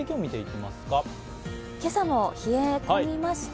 今朝も冷え込みました。